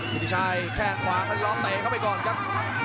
กินิชัยแก้งขวาคัลลี่รอบแต่เข้าไปก่อนครับ